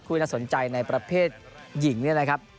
ที่น่าสนใจในประเภทหญิงนี่นะครับ